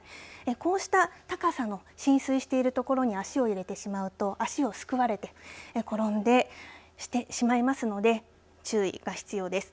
こうした高さの浸水しているところに足を入れてしまうと足をすくわれて転んでしてしまいますので注意が必要です。